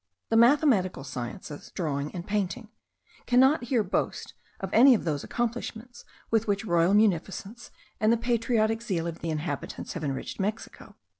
The mathematical sciences, drawing, and painting, cannot here boast of any of those establishments with which royal munificence and the patriotic zeal of the inhabitants have enriched Mexico.